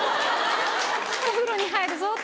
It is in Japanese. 「お風呂に入るぞ」